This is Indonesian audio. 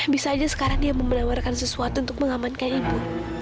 bisa saja sekarang dia memenawarkan sesuatu untuk mengamankan ibu